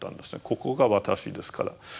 ここが私ですから。